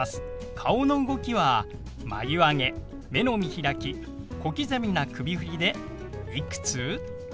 顔の動きは眉上げ目の見開き小刻みな首振りで「いくつ？」。